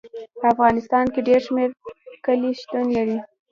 په افغانستان کې ډېر شمیر کلي شتون لري.